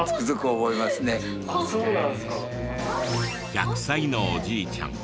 １００歳のおじいちゃん